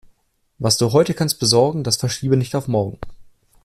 Was du heute kannst besorgen, das verschiebe nicht auf morgen.